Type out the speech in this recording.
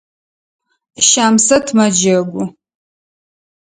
Щамсэт мэджэгу.